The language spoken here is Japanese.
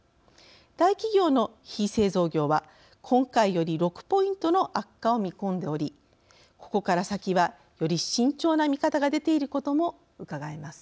大企業の非製造業は今回より６ポイントの悪化を見込んでおりここから先はより慎重な見方が出ていることもうかがえます。